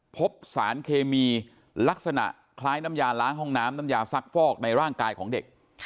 พบสารเคมีลักษณะคล้ายน้ำยาล้างห้องน้ำน้ำยาซักฟอกในร่างกายของเด็ก